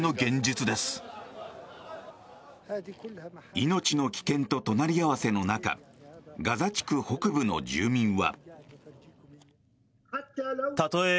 命の危険と隣り合わせの中ガザ地区北部の住民は。